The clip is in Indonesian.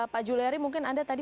pak juliari mungkin anda tadi